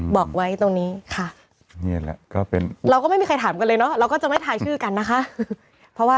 บอกไว้ตรงนี้ค่ะเราก็ไม่มีใครถามกันเลยเนาะเราก็จะไม่ถ่ายชื่อกันนะคะ